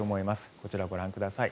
こちら、ご覧ください。